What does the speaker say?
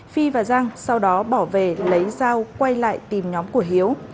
phi và giang sau đó bỏ về lấy dao quay lại tìm nhóm của hiếu